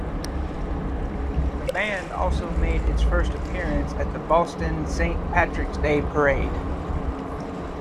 The band also made its first appearance at the Boston Saint Patrick's Day Parade.